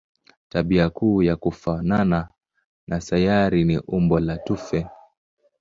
Tabia kuu ya kufanana na sayari ni umbo la tufe.